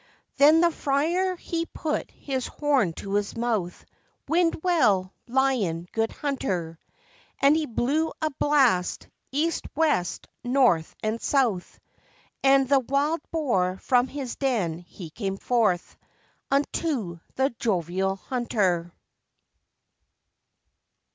Then the friar he put his horn to his mouth, Wind well, Lion, good hunter. And he blew a blast, east, west, north, and south, And the wild boar from his den he came forth Unto the jovial hunter.